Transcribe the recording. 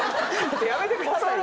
やめてくださいよ！